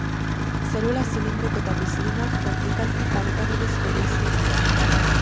Zelula zilindriko eta bizidunak, bertikalki pareta bidez bereiziak dira.